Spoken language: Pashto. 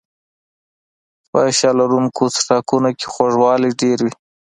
په ساه لرونکو څښاکونو کې خوږوالی ډېر وي.